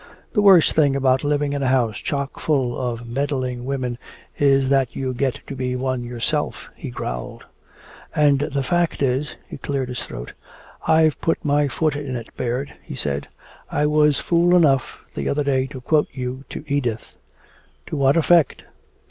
"The worst thing about living in a house chock full of meddling women is that you get to be one yourself," he growled. "And the fact is " he cleared his throat "I've put my foot in it, Baird," he said. "I was fool enough the other day to quote you to Edith." "To what effect?"